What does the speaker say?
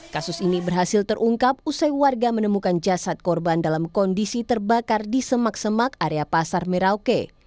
kasus ini berhasil terungkap usai warga menemukan jasad korban dalam kondisi terbakar di semak semak area pasar merauke